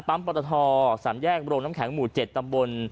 ปั๊มปลอตทสามแย่งบรมน้ำแข็งหมู่๗ตำบล